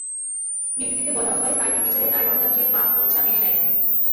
বিবৃতিতে বলা হয়, সাঈদীর বিচারের রায় গণতান্ত্রিক বাম মোর্চা মেনে নেয়নি।